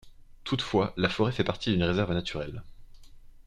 Toutefois, la forêt fait partie d'une réserve naturelle.